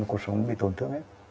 cột sổng nó bị tổn thương hết